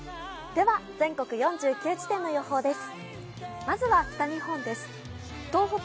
では、全国４９地点の予報です。